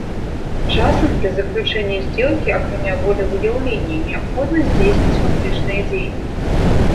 Часам для заключэння здзелкі, акрамя волевыяўлення, неабходна здзейсніць фактычныя дзеянні.